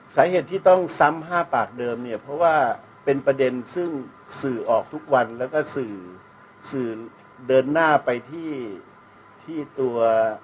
สาเหตุที่ต้องซ้ำ๕ปากเดิมเนี่ยเพราะว่าเป็นประเด็นซึ่งสื่อออกทุกวันแล้วก็สื่อสื่อเดินหน้าไปที่ที่ตัว